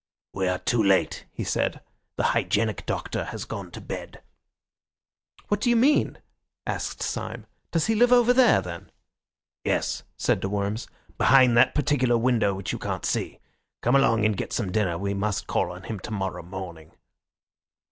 "We are too late," he said, "the hygienic Doctor has gone to bed." "What do you mean?" asked Syme. "Does he live over there, then?" "Yes," said de Worms, "behind that particular window which you can't see. Come along and get some dinner. We must call on him tomorrow morning."